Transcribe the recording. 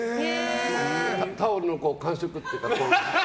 タオルの感触というか。